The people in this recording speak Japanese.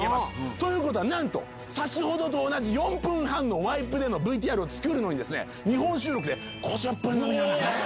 ということは先ほどと同じ４分半のワイプでのＶＴＲを作るのに２本収録で５０分のみなんですね。